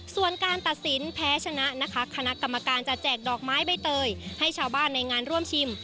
ส่วนการตัดสินแพ้ชนะนะคะคณะกรรมการจะแจกดอกไม้ใบเตยให้ชาวบ้านในงานร่วมชิม